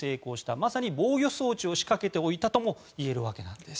まさに防御装置を仕掛けておいたといえるわけなんです。